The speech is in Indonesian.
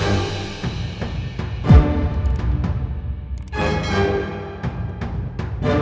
ya udah aku pulang dulu